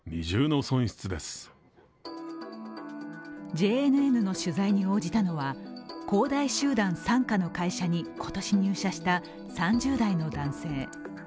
ＪＮＮの取材に応じたのは恒大集団傘下の会社に今年入社した３０代の男性。